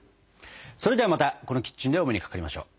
それではまたこのキッチンでお目にかかりましよう。